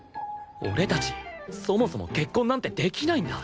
俺たちそもそも結婚なんてできないんだ